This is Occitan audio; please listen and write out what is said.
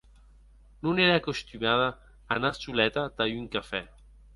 Non ère acostumada a anar soleta tà un cafè.